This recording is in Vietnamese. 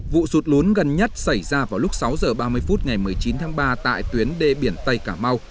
vụ sụt lún gần nhất xảy ra vào lúc sáu h ba mươi phút ngày một mươi chín tháng ba tại tuyến đê biển tây cà mau